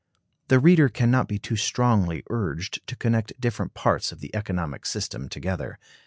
The reader can not be too strongly urged to connect different parts of the economic system together.